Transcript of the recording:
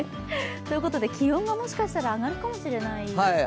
ということで気温がもしかしたら上がるかもしれないですかね。